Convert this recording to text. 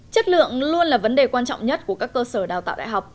chất lượng luôn là vấn đề quan trọng nhất của các cơ sở đào tạo đại học